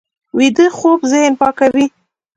ویده خوب ذهن پاکوي